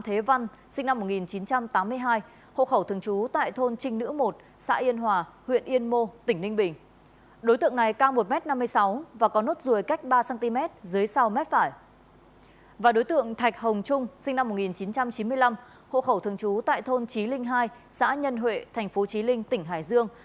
tại thôn trí linh hai xã nhân huệ tp trí linh tỉnh hải dương